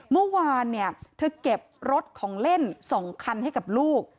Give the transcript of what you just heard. เมื่อวานเนี่ยเธอเก็บรถของเล่น๒คันให้กับลูก